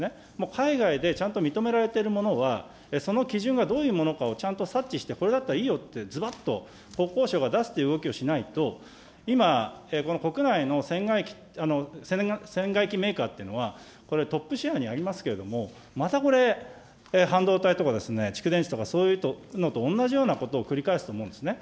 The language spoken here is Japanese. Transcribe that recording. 海外でちゃんと認められているものは、その基準がどういうものかをちゃんと察知して、これだったらいいよって、ずばっと国交省が出すっていう動きをしないと、今、この国内の船外機メーカーっていうのは、これはトップシェアにありますけれども、またこれ、半導体とか、蓄電池とか、そういうのと同じようなことを繰り返すと思うんですね。